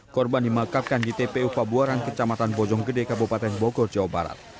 korban dimakamkan di tpu pabuaran kecamatan bojonggede kabupaten bogor jawa barat